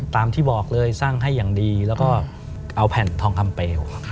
ตามที่บอกเลยสร้างให้อย่างดีแล้วก็เอาแผ่นทองคำเปล